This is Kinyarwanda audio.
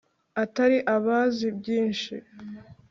atari abazi byinshi